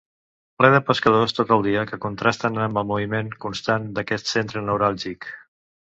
Ple de pescadors tot el dia, que contrasten amb el moviment constant d'aquest centre neuràlgic.